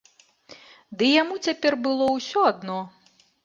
Ды яму цяпер было ўсё адно.